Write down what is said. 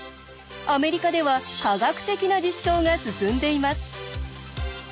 アメリカでは科学的な実証が進んでいます。